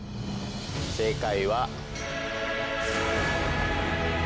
正解は。